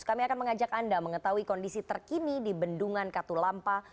kami akan mengajak anda mengetahui kondisi terkini di bendungan katulampa